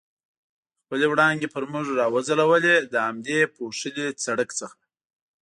خپلې وړانګې پر موږ را وځلولې، له همدې پوښلي سړک څخه.